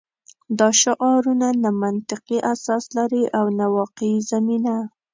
دا شعارونه نه منطقي اساس لري او نه واقعي زمینه